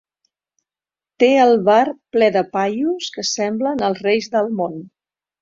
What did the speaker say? Té el bar ple de paios que semblen els reis del món.